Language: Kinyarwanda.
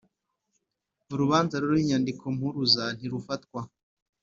urubanza ruriho inyandikompuruza ntirufatwa